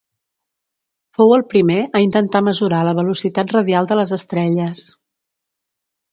Fou el primer a intentar mesurar la velocitat radial de les estrelles.